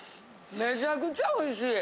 めちゃくちゃおいしい。